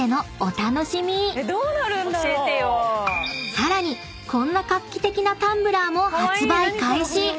［さらにこんな画期的なタンブラーも発売開始］